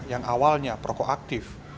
yang awalnya perokok aktif